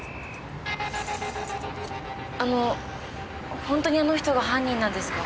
あの本当にあの人が犯人なんですか？